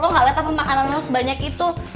lo nggak letakkan makanannya lo sebanyak itu